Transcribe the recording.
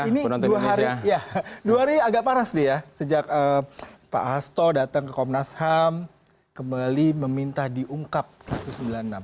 ini dua hari agak panas deh ya sejak pak hasto datang ke komnas ham kembali meminta diungkap kasus sembilan puluh enam